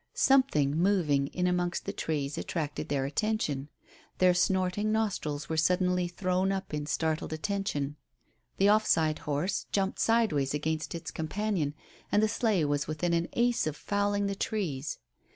Something moving in amongst the trees attracted their attention. Their snorting nostrils were suddenly thrown up in startled attention. The off side horse jumped sideways against its companion, and the sleigh was within an ace of fouling the trees.